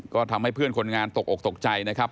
ก็ทำให้เพื่อนคนงานตกอกตกใจนะครับ